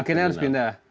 akhirnya harus pindah